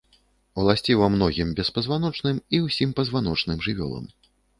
Уласціва многім беспазваночным і ўсім пазваночным жывёлам.